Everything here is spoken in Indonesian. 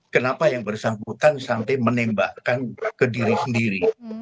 kenapa yang bersangkutan sampai menembakkan ke diri sendiri